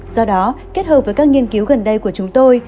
do đó kết hợp với các nghiên cứu gần đây của chúng tôi